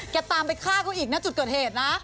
ตามไปฆ่าเขาอีกนะจุดเกิดเหตุนะ